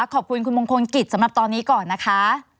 ขอบคุณคุณมงคลกิจสำหรับตอนนี้ก่อนนะคะ